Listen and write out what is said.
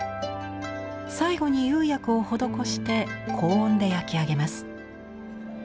最後に釉薬を施して高温で焼き上げます。